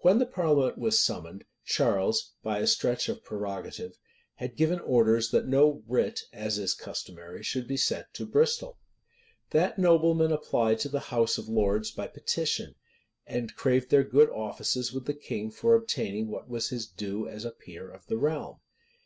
When the parliament was summoned, Charles, by a stretch of prerogative, had given orders that no writ, as is customary, should be sent to Bristol.[*] That nobleman applied to the house of lords by petition; and craved their good offices with the king for obtaining what was his due as a peer of the realm.